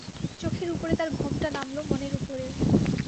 চোখের উপরে তাঁর ঘোমটা নামল, মনের উপরেও।